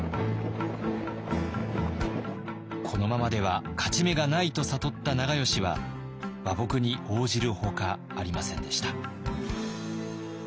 このままでは勝ち目がないと悟った長慶は和睦に応じるほかありませんでした。